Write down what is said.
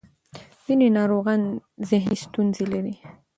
ځینې ناروغان ذهني ستونزې لري.